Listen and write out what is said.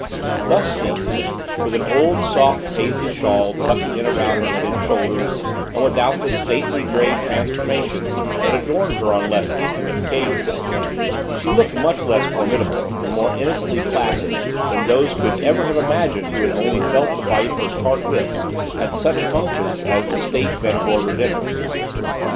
Thus seen, with an old soft Paisley shawl tucked in about her thin shoulders and without the stately gray transformation that adorned her on less intimate occasions, she looked much less formidable and more innocently placid than those could ever have imagined who had only felt the bite of her tart wit at such functions as the state Van Gorder dinners.